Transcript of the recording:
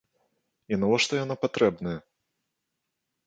І навошта яна патрэбная?